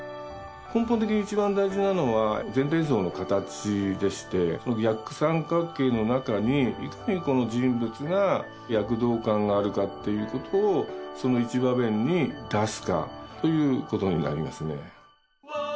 根本的にいちばん大事なのは全体像の形でして逆三角形の中にいかにこの人物が躍動感があるかっていうことをその一場面に出すかということになりますね。